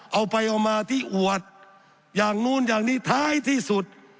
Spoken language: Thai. เอาไปเอามาที่อวดอย่างนู้นอย่างนี้ท้ายที่สุด